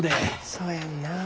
そうやんなあ。